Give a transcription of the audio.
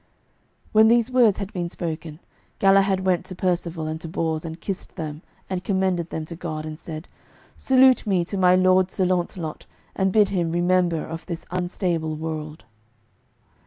When these words had been spoken, Galahad went to Percivale and to Bors and kissed them and commended them to God, and said, "Salute me to my lord Sir Launcelot, and bid him remember of this unstable world."